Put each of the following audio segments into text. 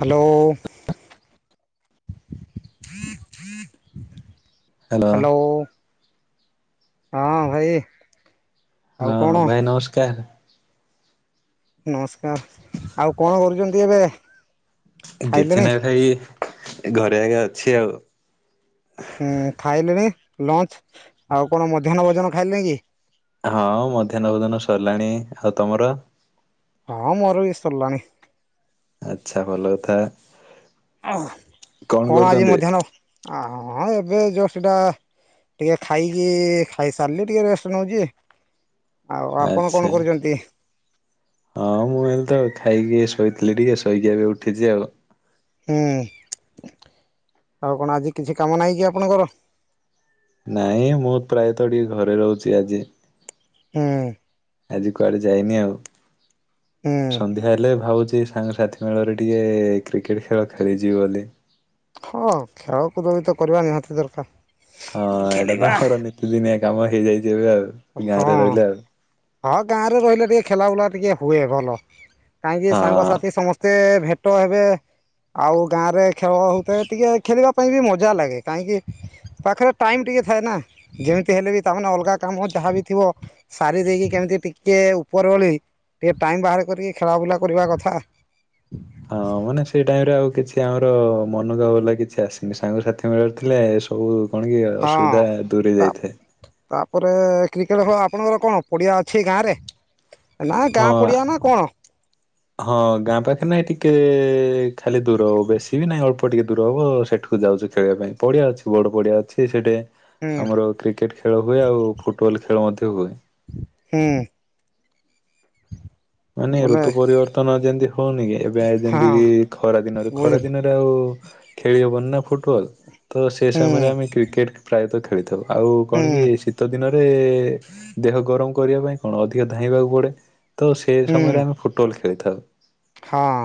Hello. Hello. Hello. ହଁ ଭାଇ। ଆଉ ହଁ କଣ ହଁ ଭାଇ ନମସ୍କାର। ନମସ୍କାର ଆଉ କଣ କରୁଚନ୍ତି ଏବେ? ଏ କିଛି ଖାଇଲେଣି ନାଇଁ ଭାଇ ଘରେ ଆଗେ ଅଛି ଆଉ। ହୁଁ ଖାଇଲେଣି ଲଞ୍ଚ ଆଉ କଣ ମଧ୍ୟାହ୍ନ ଭୋଜନ ଖାଇଲେଇଁ କି? ହଁ ମଧ୍ୟାହ୍ନ ଭୋଜନ ସରିଲାଣି ଆଉ ତମର? ହଁ ମୋର ବି ସରଲାଣି। ଆଚ୍ଛା ଭଲ କଥା। ଆଁ କଣ ଆଜି ମଧ୍ୟାହ୍ନ ଆ ହଁ ଏବେ ଜଷ୍ଟ ଏଟା ଟିକେ ଖାଇକି ଖାଇସାରଲି ଟିକେ ରେଷ୍ଟ ନୋଉଚି। ଆଉ ଆପଣ ଆଚ୍ଛା କଣ କରୁଚନ୍ତି? ହଁ ମୁଁ ହେଲେ ତ ଖାଇକି ଶୋଇଥିଲି ଟିକେ ଶୋଇକି ଏବେ ଉଠିଚି ଆଉ। ହୁଁ ଆଉ କଣ ଆଜି କିଛି କାମ ନାହିଁ କି ଆପଣଙ୍କର? ନାଇଁ ମୁଁ ପ୍ରାୟତଃ ଟିକେ ଘରେ ରହୁଚି ଆଜି। ହୁଁ। ଆଜି କୁଆଡେ ଯାଇନି ଆଉ। ହୁଁ। ସନ୍ଧ୍ୟା ହେଲେ ଭାବୁଚି ଏ ସାଙ୍ଗସାଥି ମେଳରେ ଟିକେ କ୍ରିକେଟ ଖେଳ ଖେଳିଯିବି ବୋଲି। ହଁ ଖେଳକୁଦ ବି ତ କରିବା ନିହାତି ଦରକାର। ହଁ ଏଇଟା ତ ଖେଳିବା ଆମର ନିତିଦିନିଆ କାମ ହେଇଯାଇଚି ଏବେ ଆଉ। ହଁ ଗାଁରେ ରହିଲେ ଆଉ। ହଁ ଗାଁରେ ରହିଲେ ଟିକେ ଖେଲା ବୁଲା ଟିକେ ହୁଏ ଭଲ। କାହିଁକି ହଁ ସାଙ୍ଗସାଥି ସମସ୍ତେ ଭେଟ ହେବେ ଆଉ ଗାଁରେ ଖେଳ ହୋଉଥାଏ ଟିକିଏ ଖେଳିବା ପାଇଁ ବି ମଜା ଲାଗେ କାହିଁକି ପାଖରେ ଟାଇମ୍ ଟିକେ ଥାଏନା ଯେମତି ହେଲେ ବି ତାମାନେ ଅଲଗା କାମ ଯାହାବ ବି ଥିବ ସାରି ଦେଇକି କେମିତି ଟିକେ ଉପର ବେଳି ଟିକେ ଟାଇମ ବାହାର କରିକି ଖେଳା ବୁଲା କରିବା କଥା। ହଁ ମାନେ ସେଇ ଟାଇମରେ ଆଉ କିଛି ଆମର ମନ ଯ ଗଲା କିଛି ଆସିନି ସାଙ୍ଗ ସାଥି ମେଳରେ ଥିଲେ ଏସ ସବୁ କଣ କି ହଁ ଅସୁବିଧା ଦୂରେଇ ତା ଯାଇଥାଏ। ତାପରେ କ୍ରିକେଟ ଖେଳ ଆପଣଙ୍କର କଣ ପଡ଼ିଆ ଅଛି ଗାଁରେ। ଏ ନା ହଁ ଗାଁ ପଡିଆ ନା କଣ? ହଁ ଗାଁ ପାଖରେ ନାଇଁ ଟିକେ ଖାଲି ଦୂର ହବ ବେଶୀ ବି ନାଇ ଅଳ୍ପ ଟିକେ ଦୂର ହବ ସେଠୁ କୁ ଯାଉଚୁ ଖେଳିବା ପାଇଁ ପଡିଆ ଅଛି ବଡ ପଡିଆ ଅଛି ସେଠି ହୁଁ ଆମର କ୍ରିକେଟ ଖେଳ ହୁଏ ଆଉ ଫୁଟବଲ ଖେଳ ମଧ୍ୟ ହୁଏ। ହୁଁ। ମାନେ ବୋଲେ ଋତୁ ପରିବର୍ତ୍ତନ ଯେମତି ହୋଉନି କି ଏବେ ଆ ହଁ ଯେମତି କି ଖରା ଦିନରେ ଖରା ବୁଝିଲି ଦିନରେ ରେ ଆଉ ଖେଳି ହବନି ନା ଫୁଟବଲ୍ ତ ସେ ହୁଁ ସମୟରେ ଆମେ କ୍ରିକେଟ୍ ପ୍ରାୟେତ ଖେଳିଥାଉ। ଆଉ କଣ କି ହୁଁ ଶୀ ତ ଦିନରେ ଦେହ ଗରମ କରିବା ପାଇଁ କଣ ଅଧିକ ଧାଇଁବାକୁ ପଡେ ତ ସେ ସମୟରେ ଆମେ ଫୁଟବଲ ଖେଳିଥାଉ। ହଁଅ।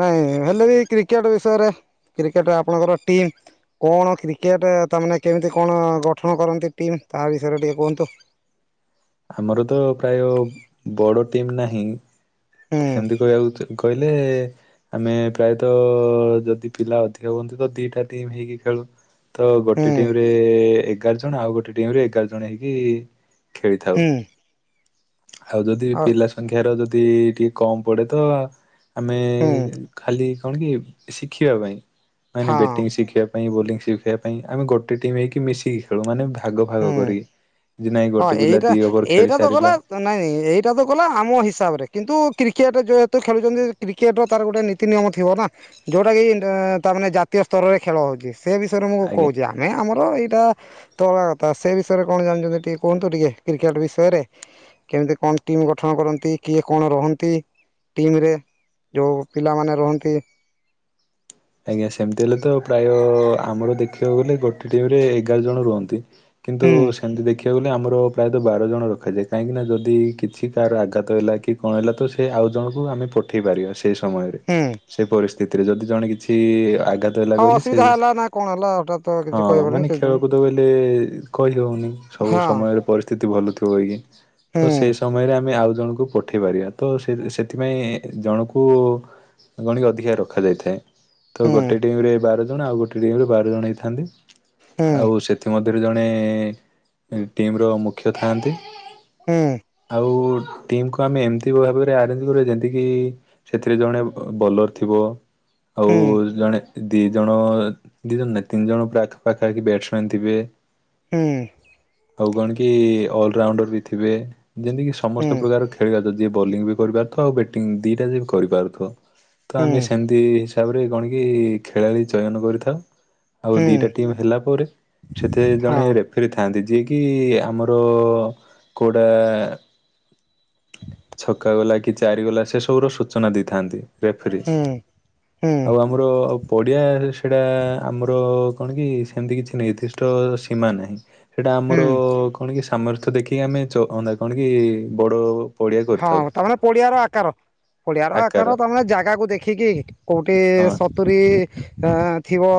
ନାଇଁ ହେଲେ ବି କ୍ରିକେଟ ବିଷୟରେ କ୍ରିକେଟ ଆପଣଙ୍କର ଟିମ୍ କଣ କ୍ରିକେଟ୍ ତାମାନେ କେମିତି କଣ ଗଠନ କରନ୍ତି ଟିମ୍ ତା ବିଷୟରେ ଟିକେ କୁହନ୍ତୁ। ଆମର ତ ପ୍ରାୟ ବଡ ଟିମ୍ ନାହିଁ ହୁଁ ସେମତି କହିବାକୁ ତ କହି ହେଲେ ଆମେ ପ୍ରାୟତଃ ଯଦି ପିଲା ଅଧିକ ହୁଅନ୍ତି ତ ଦିଟା ଟିମ୍ ହେଇକି ଖେଳୁ। ତ ହୁଁ ଗୋଟେ ଟିମ ଏଗାର ଜଣ ଆଉ ଗୋଟେ ଟିମେ ଏଗାର ଜଣ ହେଇକି ଖେଳିଥାଉ। ହୁଁ ଆଉ ଯଦି ପିଲା ସଂଖ୍ୟାର ଯଦି ଟିକେ କମ ପଡେ ତ ଆମେ ହୁଁ ଖାଲି କଣ କି ଶିଖିବା ପାଇଁ ମେ ହଁ ବ୍ୟାଟିଂ ଶିଖିବା ବୋଲି ଶିଖିବା ପାଇଁ ଆମେ ଗୋଟେ ଟିମ୍ ହେଇକି ମିଶିକି ଖେଳୁ ମାନେ ଭାଗ ଭାଗ ହୁଁ କରିକି ଜେ ନାଇଁ ହଁ ଗୋଟେ ପିଲା ଏଇଟା ଦି ଓଭର ଖେଳି ଏଇଟା ତ ଗଲା ସାରିଲା ତ ନାଇଁ ଏଇଟା ତ ଗଲା ଆମ ହିସାବରେ କିନ୍ତୁ କ୍ରିକେଟ ଯେହେତୁ ତ ଖେଳୁଚନ୍ତି କ୍ରି କେଟ ର ତାର ଗୋଟେ ନୀତି ନିୟମ ଥିବ ନା ଯୋଉଟା କି ତା ମାନେ ଜାତୀୟ ସ୍ତରରେ ଖେଳ ହଉଚି। ସେ ବିଷୟରେ ମୁଁ ଆଜ୍ଞା କହୁଚି ଆମେ ଆମର ଏଇଟା ତୋଳ କଥା ସେ ବିଷୟରେ କଣ ଜାଣିଚନ୍ତି ଟିକେ କୁହନ୍ତୁ ଟିକେ କ୍ରିକେଟ୍ ବିଷୟରେ? କେମିତି କଣ ଟିମ ଗଠନ କରନ୍ତି କିଏ କଣ ରହନ୍ତି ଟିମ ରେ? ଯଉଁ ପିଲାମାନେ ରୁହନ୍ତି ଆଜ୍ଞା ସେମିତି ହେଲେ ତ ପ୍ରାୟ ଆମର ଦେଖିବାକୁ ଗଲେ ଗୋଟେ ଟିମରେ ଏଗାର ଜଣ ରୁହନ୍ତି। କିନ୍ତୁ ହୁଁ ସେମିତି ଦେଖିବାକୁ ଗଲେ ଆମର ପ୍ରାୟତଃ ବାର ଜଣ ରଖାଯାଏ କାହିଁକି ନା ଯଦି କିଛି କାର ଆଘାତ ହେଲା କି କଣ ହେଲା ତ ସେ ଆଉ ଜଣଙ୍କୁ ଆମେ ପଠେଇ ପାରିବା। ସେ ସେ ସମୟରେ ହୁଁ ସେ ପରିସ୍ଥିତିରେ ଯଦି ଜଣେ କିଛି ଆଘାତ ଦେଲା ହଁ କହିଲେ ସେ ଅସୁବିଧା ହେଲା ନା କଣ ହେଲା ହଠାତ୍ ତ ହଁ କିଛି କହିହବନି ମାନେ କିଛି ଖେଳକୁଦ ବୋଇଲେ। କହିହୋଉନି ନାହିଁ ସବୁ ହଁ ସମୟରେ ପରିସ୍ଥିତି ଭଲଥିବ କି। ହୁଁ ତ ସେ ସମୟରେ ଆମେ ଆଉ ଜଣଙ୍କୁ ପ ଠେଇ ପାରିବା ତ ସେ ସେଥିପାଇଁ ଜଣକୁ ଗଣିକି ଅଧିକା ରଖାଯାଇଥାଏ। ତ ହୁଁ ଗୋଟେ ଟିମ୍ ରେ ବାର ଜଣ ଆଉ ଗୋଟେ ଟିମ୍ ରେ ବାର ଜଣ ହେଇଥାନ୍ତି। ହୁଁ ଆଉ ସେ ଥି ମଧ୍ୟରୁ ଜଣେ ଟିମ୍ ର ମୁଖ୍ୟ ଥାଆନ୍ତି। ହୁଁ। ଆଉ ଟିମକୁ ଆମେ ଏମିତି ଭାବରେ ଆରେଞ୍ଜ କରିବା ଯେମତି କି ସେଥିରେ ଜଣେ ବଲର ଥିବ। ହୁଁ ଆଉ ହୁଁ ଜଣେ ଦି ଜଣ ଦି ଜଣ ନାଇଁ ତିନି ଜଣ ପ୍ରାଖ୍ ପାଖାପାଖି ବ୍ୟାଟସମ୍ୟାନ୍ ଥିବେ। ହୁଁ। ଆଉ କଣ କି ଅଲରାଉଣ୍ଡର ବି ଥିବେ। ଯେମିତି କି ହୁଁ ସମସ୍ତ ପ୍ରକାର ଖେ ଖେଳିବା ତ ଯିଏ ବୋଲିଙ୍ଗ ବି କରିପାରୁଥିବ ଆଉ ବ୍ୟାଟିଙ୍ଗ ଦୁଇଟା ଯାକ କରିପାରୁଥିବ ତ ହୁଁ ଆମେ ସେମିତି ତାପରେ କଣକି ଖେଳାଳି ଚୟନ କରିଥାଉ। ଆଉ ଦିଟା ହୁଁ ଟିମ୍ ହେଲା ପରେ ସେଥିରେ ଜଣେ ହଁ ରେ [unintelligible] ଥାନ୍ତି ଯିଏକି ଆମର କୋଉଟା ଛକା ଗଲା କି ଚାରି ଗଲା ସେସବୁର ସୂଚନା ଦେଇଥାନ୍ତି ରେଫରି। ହୁଁ ହୁଁ ଆମର ଆଉ ପଡିଆ ସେଇଟା ଆମର କଣ କି ସେମିତି କିଛି ନିର୍ଦ୍ଦିଷ୍ଟ ସୀମା ନାହିଁ। ସେଇଟା ଆମର ହୁଁ କଣ କି ସାମର୍ଥ୍ୟ ଦେଖିକି ଆମେ ଚଅନା କଣ କି ବଡ଼ ପଡ଼ିଆ ହଁ କରିଥାଉ ତାମାନେ ପଡିଆର ଆକାର ପଡିଆର ଆକାର ତମାନେ ଜାଗାକୁ ଦେଖିକି କୋଉଠି ହଁ ସ ତୁରୀ ଆଁ ଥିବ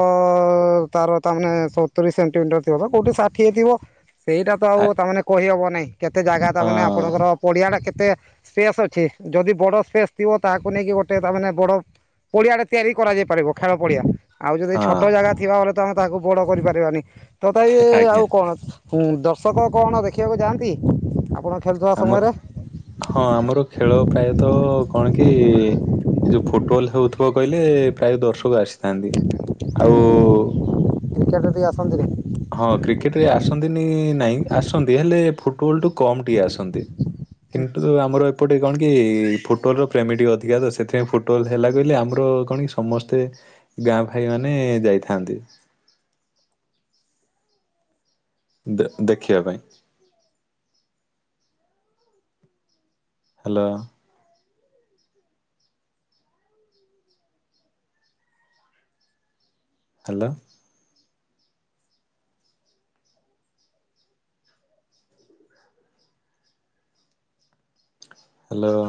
ତାର ତା ମାନେ ସତୁରୀ ସେନ୍ଟିମିଟର। ଥିବ କୋଉଠି ଷାଠିଏ ଥିବ। ସେଇଟା ତ ଆ ଆଉ ତାମାନେ କହିହବ ନାହିଁ କେତେ ଜାଗା ହଁ ତାମାନେ ଆପଣଙ୍କର ପଡିଆ ଟା କେ ତେ ସ୍ପେସ୍ ଅଛି ଯଦି ବଡ଼ ସ୍ପେସ୍ ଥିବ ତାହାକୁ ନେଇକି ଗୋଟେ ତା ମାନେ ବଡ଼ ପଡିଆ ଟା ତିଆରି କରାଯାଇ ପାରିବ ଖେଳ ପଡିଆ। ଆଉ ଯଦି ହଁ ଛୋଟ ଜାଗା ଥିବା ବଲେ ତ ଆମେ ତାହାକୁ ବଡ କରିପାରିବାନି ତଥାପି ଆଉ ଆଜ୍ଞା କଣ। ହୁଁ ଦର୍ଶକ କଣ ଦେଖିବାକୁ ଯାଆନ୍ତି ଆପଣ ଖେଳୁଥିବା ଆମ ସମୟରେ? ହଁ ଆମର ଖେଳ ପ୍ରାୟତଃ କଣ କି ଏ ଯୋଉ ଫୁଟବଲ ହଉଥିବ କହିଲେ ପ୍ରାୟ ଦର୍ଶକ ଆସିଥାନ୍ତି ଆଉ କ୍ରିକେଟରେ କେହି ଆସନ୍ତିନି? ହଁ କ୍ରିକେଟରେ ଆସନ୍ତିନି ନାଇଁ ଆସନ୍ତି ହେଲେ ଫୁଟବଲ୍ ଟୁ କମ୍ ଟିଏ ଆସନ୍ତି କିନ୍ ତୁ ଆମର ଏପଟେ କଣ କି ଫୁଟବଲର ପ୍ରେମୀ ଟିକେ ଅଧିକା ତ ସେଥିପାଇଁ ଫୁଟବଲ୍ ହେଲା କହିଲେ ଆମର କଣ କି ସ ସମସ୍ତେ ଗାଁ ଭାଇ ମାନେ ଯାଇଥାନ୍ତି। ଦେ ଦେଖିବା ପାଇଁ। Hello hello hello